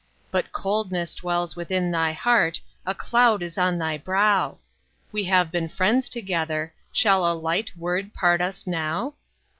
But coldness dwells within thy heart, A cloud is on thy brow; We have been friends together, Shall a light word part us now?